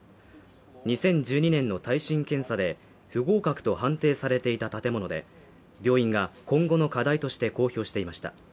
２０１２年の耐震検査で不合格と判定されていた建物で、病院が今後の課題として公表していました。